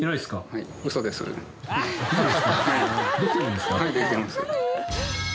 はいできてます。